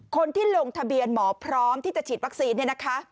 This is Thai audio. คนที่ลงทะเบียนหมอพร้อมที่จะฉีดวัคซีนเนี่ยนะคะ